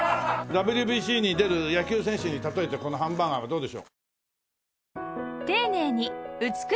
ＷＢＣに出る野球選手に例えてこのハンバーガーはどうでしょう？